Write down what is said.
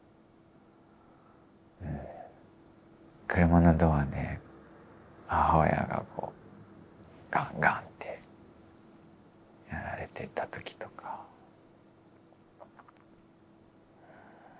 車のドアで母親がガンガンってやられてた時とかありましたね。